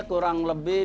untuk bangka sendiri nih